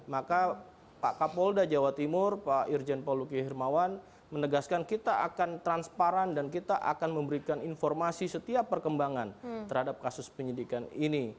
maka pak kapolda jawa timur pak irjen paul luki hermawan menegaskan kita akan transparan dan kita akan memberikan informasi setiap perkembangan terhadap kasus penyidikan ini